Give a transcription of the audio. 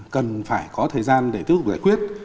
cần phải có thời gian để thức giải quyết